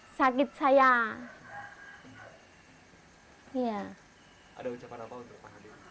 ada ucapan apa untuk pak habib